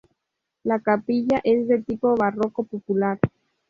La capilla es de tipo barroco popular.